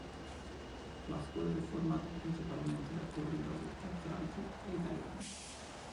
La squadra è formata principalmente da corridori kazaki e italiani.